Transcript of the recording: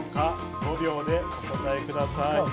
５秒でお答えください。